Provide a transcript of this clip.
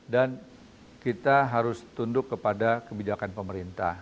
dan kita harus tunduk kepada kebijakan pemerintah